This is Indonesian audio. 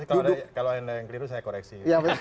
duduk kalau ada yang keliru saya koreksi